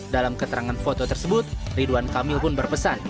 dalam keterangan foto tersebut ridwan kamil pun berpesan